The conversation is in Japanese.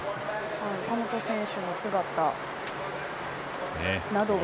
岡本選手の姿などが。